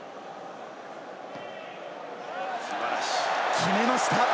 決めました！